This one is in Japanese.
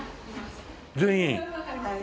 全員？